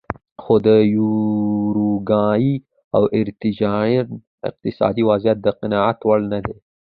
خو د یوروګوای او ارجنټاین اقتصادي وضعیت د قناعت وړ نه دی.